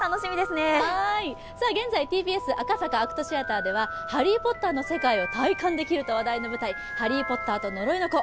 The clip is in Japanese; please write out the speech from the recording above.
現在、ＴＢＳ赤坂ＡＣＴシアターでは「ハリー・ポッター」の世界を体感できると話題の舞台、「ハリー・ポッターと呪いの子」